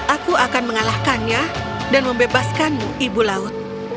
aku akan mengalahkannya dan membebaskanmu ibu laut